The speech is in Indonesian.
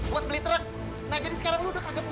lala nggak boleh sedih